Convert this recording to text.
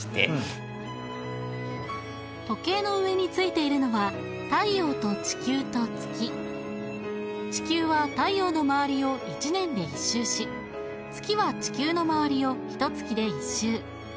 時計の上に付いているのは太陽と地球と月地球は太陽の周りを１年で１周し月は地球の周りをひと月で１周。